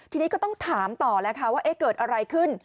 ทีนี้ก็ต้องถามต่อแล้วค่ะว่าเกิดอะไรขึ้น